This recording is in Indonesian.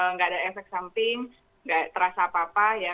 nggak ada efek samping nggak terasa apa apa ya